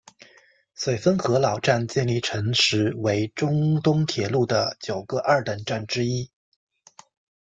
绥芬河老站建立成时为中东铁路的九个二等站之一。